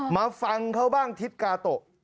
มาฟังเขาบ้างทิศกาโตะ